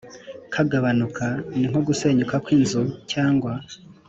kagabanuka ni nko gusenyuka kw inzu cyangwa